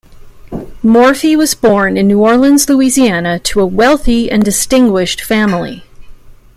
Morphy was born in New Orleans, Louisiana, to a wealthy and distinguished family.